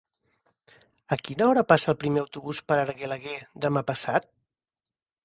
A quina hora passa el primer autobús per Argelaguer demà passat?